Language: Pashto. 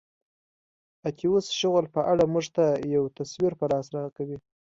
اتیوس شغل په اړه موږ ته یو تصویر په لاس راکوي.